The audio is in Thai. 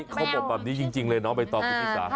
เขาบอกแบบนี้จริงเลยเนอะไปต่อคุณฟิศา